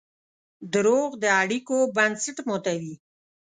دروغ د اړیکو بنسټ ماتوي.